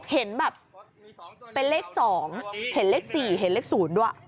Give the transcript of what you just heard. เห็นแบบเป็นเลข๒เห็นเลข๔เห็นเลข๐ด้วย